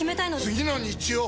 次の日曜！